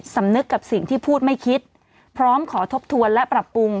สำนึกกับสิ่งที่พูดไม่คิดพร้อมขอทบทวนและปรับปรุง